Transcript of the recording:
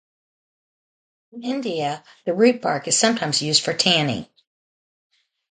In India, the root bark is sometimes used for tanning.